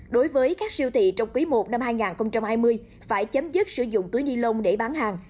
đối với các siêu thị trong quý i năm hai nghìn hai mươi phải chấm dứt sử dụng túi ni lông để bán hàng